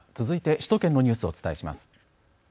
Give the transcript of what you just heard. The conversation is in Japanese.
続いて首都圏のニュースをお伝えします。